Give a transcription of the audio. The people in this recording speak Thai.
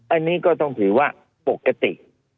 อันนี้ก็ต้องถือว่าปกติ